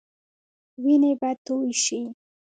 وينې به تويي شي.